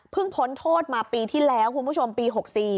พ้นโทษมาปีที่แล้วคุณผู้ชมปี๖๔